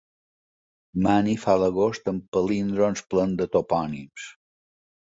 Mani fa l'agost amb palíndroms plens de topònims.